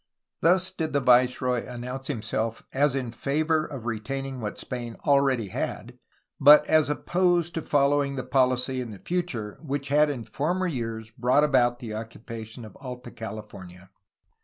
Thus did the viceroy announce himself as in favor of retain ing what Spain already had, but as opposed to following the policy in the future which had in former years brought about the occupation of Alta California.